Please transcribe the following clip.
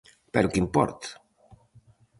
Pero que importa?